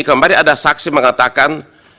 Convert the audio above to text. kembali ada saksi mengatakan